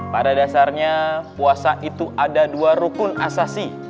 pada dasarnya puasa itu ada dua rukun asasi